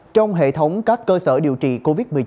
trong hệ thống các cơ sở điều trị covid một mươi chín